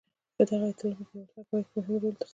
دغه ایتلاف په پیاوړتیا او پایښت کې مهم رول ترسره کړ.